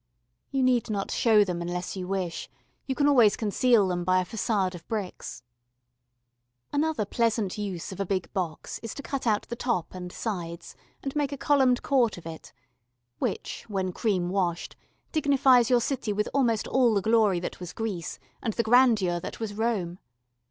You need not show them unless you wish: you can always conceal them by a façade of bricks. [Illustration: PILLARED COURT.] Another pleasant use of a big box is to cut out the top and sides and make a columned court of it, which, when cream washed, dignifies your city with almost all the glory that was Greece and the grandeur that was Rome.